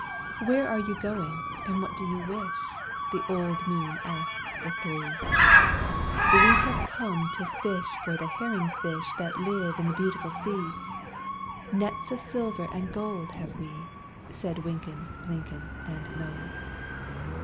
"Where are you going, and what do you wish?" The old moon asked the three. "We have come to fish for the herring fish That live in this beautiful sea; Nets of silver and gold have we," Said Wynken, Blynken, And Nod.